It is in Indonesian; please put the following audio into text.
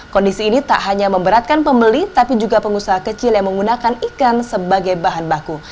kondisi ini tak hanya memberatkan pembeli tapi juga pengusaha kecil yang menggunakan ikan sebagai bahan baku